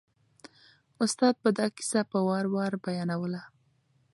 استاد به دا کیسه په وار وار بیانوله.